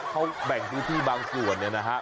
เขาแบ่งพื้นที่บางส่วนเนี่ยนะฮะ